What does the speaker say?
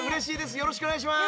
よろしくお願いします。